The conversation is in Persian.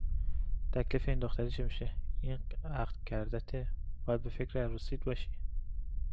تکلیف این دختره چی میشه؟ این عقد کَردَته؟ باید به فکر عروسیت باشی!